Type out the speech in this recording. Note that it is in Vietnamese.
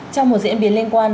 trong một diễn biến liên quan